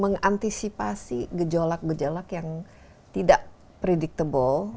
mengantisipasi gejolak gejolak yang tidak predictable